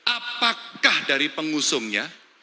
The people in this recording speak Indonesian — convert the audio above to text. apakah dari pengusungnya